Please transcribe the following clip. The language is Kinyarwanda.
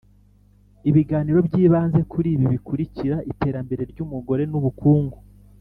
Ibiganiro by’ibanze kuri ibi bikurikira iterambere ry’ umugore nu bukungu